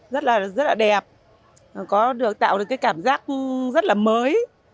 rất là đẹp có được tạo được cái cảm giác rất là mới